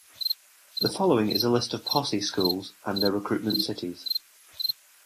The following is a list of the Posse schools and their recruitment cities.